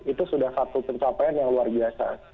itu sudah satu pencapaian yang luar biasa